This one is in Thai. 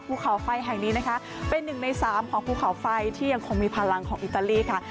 ภูเขาไฟแห่งนี้นะคะเป็นหนึ่งในสามของภูเขาไฟที่ยังคงมีพลังของอิตาลีค่ะ